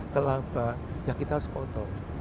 telah apa ya kita harus potong